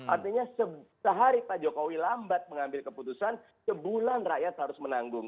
artinya sehari pak jokowi lambat mengambil keputusan sebulan rakyat harus menanggung